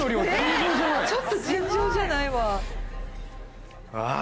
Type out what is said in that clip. ちょっと尋常じゃないわ。